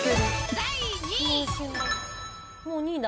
第２位。